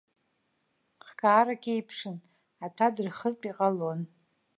Хкаарак еиԥшын, аҭәа дырхыртә иҟалон.